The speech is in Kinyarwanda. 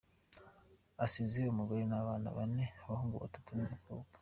Asize umugore n’abana bane, abahungu batatu n’umukobwa.